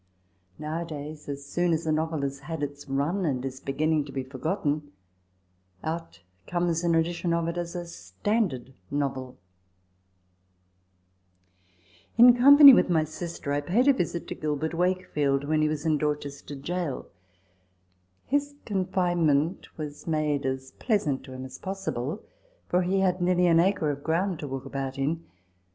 Now a days, as soon as a novel has had its run, and is beginning to be forgotten, out comes an edition of it as a " standard novel !" In company with my sister, I paid a visit to Gilbert Wakefield when he was in Dorchester Gaol. His confinement was made as pleasant to him as possible ; for he had nearly an acre of ground to walk about in.